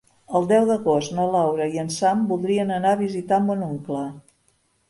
El deu d'agost na Laura i en Sam voldria anar a visitar mon oncle.